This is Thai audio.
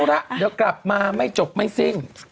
ละเดี๋ยวกลับมาไม่จบไม่สิ้น